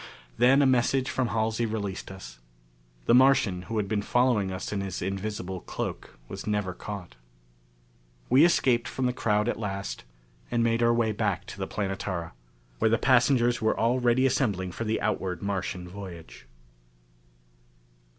Then a message from Halsey released us. The Martian who had been following us in his invisible cloak was never caught. We escaped from the crowd at last and made our way back to the Planetara, where the passengers were already assembling for the outward Martian voyage.